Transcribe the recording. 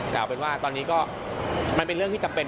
แต่เอาเป็นว่าตอนนี้ก็มันเป็นเรื่องที่จำเป็น